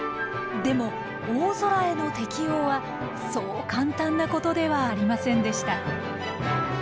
でも大空への適応はそう簡単なことではありませんでした。